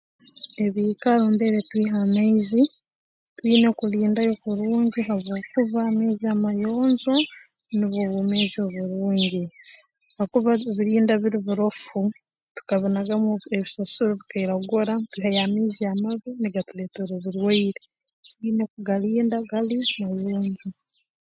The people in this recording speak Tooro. Ebiikaro mbere twiha amaizi twina kulindayo kurungi habwokuba amaizi amayonjo nubwo bwomeezi oburungi kakuba tubirinda biri birofu tukabinagamu obu ebisasiro bikairagura ntwihayo amaizi amabi nigatuleetera oburwaire twine kugalinda gali mayonjo